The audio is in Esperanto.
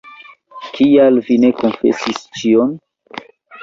Kial vi ne konfesis ĉion?